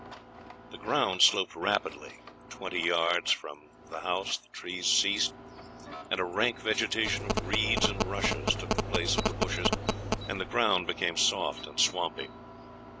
The ground sloped rapidly. Twenty yards from the house the trees ceased, and a rank vegetation of reeds and rushes took the place of the bushes, and the ground became soft and swampy.